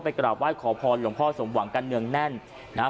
กราบไหว้ขอพรหลวงพ่อสมหวังกันเนืองแน่นนะฮะ